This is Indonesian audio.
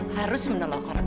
harus menolong orang